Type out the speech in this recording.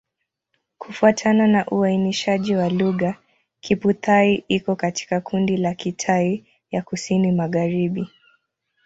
Kufuatana na uainishaji wa lugha, Kiphu-Thai iko katika kundi la Kitai ya Kusini-Magharibi.